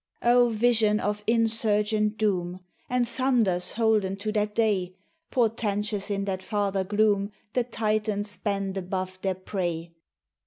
O vision of insurgent doom, And thunders holden to that day! Portentous in that farther gloom, The Titans bend above their prey.